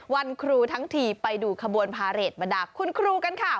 วันครูทั้งทีไปดูขบวนพาเรทบรรดาคุณครูกันค่ะ